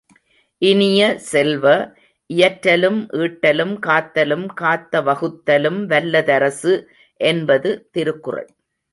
இனிய செல்வ, இயற்றலும் ஈட்டலும் காத்தலும் காத்த வகுத்தலும் வல்ல தரசு என்பது திருக்குறள்!